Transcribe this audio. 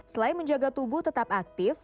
selain menjaga tubuh tetap aktif